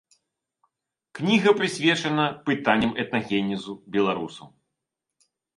Кніга прысвечана пытанням этнагенезу беларусаў.